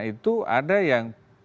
itu ada yang